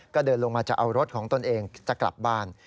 ก็เดินลงมาจะเอารถของตนเองจะกลับบ้าน